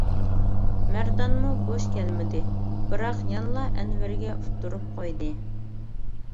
-مەردانمۇ بوش كەلمىدى، بىراق يەنىلا ئەنۋەرگە ئۇتتۇرۇپ قويدى.